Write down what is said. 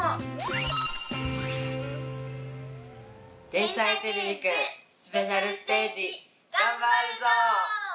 「天才てれびくんスペシャルステージ」がんばるぞ！